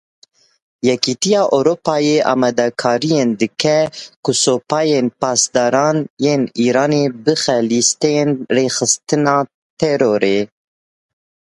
Yekîtiya Ewropayê amadekariyan dike ku Supayên Pasdaran ên Îranê bixe lîsteya rêxistina terorê.